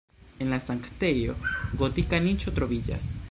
En la sanktejo gotika niĉo troviĝas.